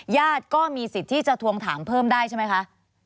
ญาติก็มีสิทธิ์ที่จะทวงถามเพิ่มได้ใช่ไหมคะ